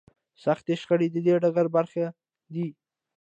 سختې شخړې د دې ډګر برخه دي.